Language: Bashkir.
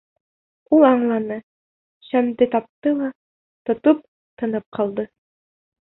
Ул аңланы, шәмде тапты ла, тотоп тынып ҡалды.